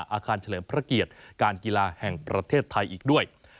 เฉลิมพระเกียรติการกีฬาแห่งประเทศไทยอีกด้วย